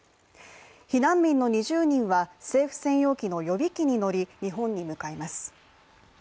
避難民の２０人は政府専用機の予備機に乗り、日本に向かいます。